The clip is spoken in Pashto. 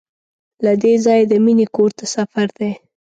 له دې ځایه د مینې کور ته سفر دی.